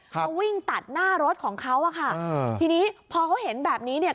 เขาวิ่งตัดหน้ารถของเขาอ่ะค่ะทีนี้พอเขาเห็นแบบนี้เนี่ย